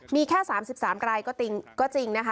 มีแค่๓๓รายก็จริงนะคะ